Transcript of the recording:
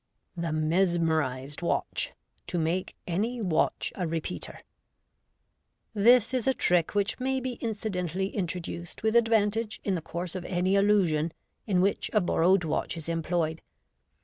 The Mesmerised Watch. To Makb any Watch a Re peater.— This is a trick which may be incidentally introduced with advantage in the course of any illusion in which a borrowed watch is employed.